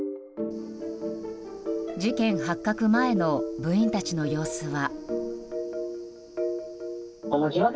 事件発覚前の部員たちの様子は。